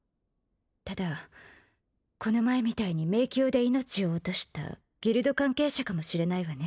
ただこの前みたいに迷宮で命を落としたギルド関係者かもしれないわね